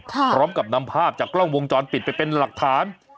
พร้อมกับนำภาพจากกล้องวงจรปิดไปเป็นหลักฐาน